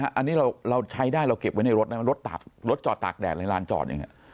อันนี้เราใช้ได้เราเก็บไว้ในรถรถจอดตากแดดในล้านจอด